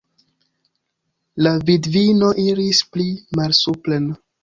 La vidvino iris pli malsupren.